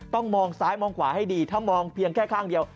ต้องมองซ้ายมองขวาให้ดีถ้ามองเพียงแค่ข้างเดียว